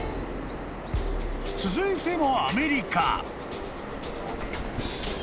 ［続いても］